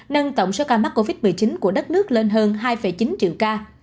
nâng tổng số ca mắc covid một mươi chín của đất nước lên hơn hai chín triệu ca